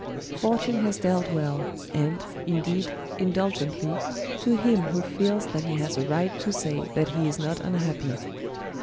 Fortune has dealt well, and, in deed, indulgently, to him who feels that he has a right to say that he is not unhappy.